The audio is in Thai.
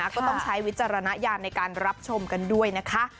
ก็ต้องใช้วิจารณญาณในการรับชมกันด้วยนะคะ